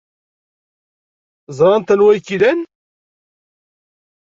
Ẓrant anwa ay k-ilan.